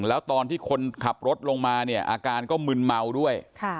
แล้วตอนที่คนขับรถลงมาเนี่ยอาการก็มึนเมาด้วย